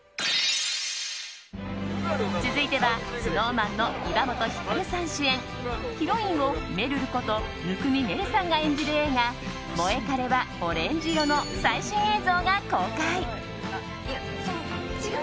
続いては、ＳｎｏｗＭａｎの岩本照さん主演ヒロインをめるること生見愛瑠さんが演じる映画「モエカレはオレンジ色」の最新映像が公開。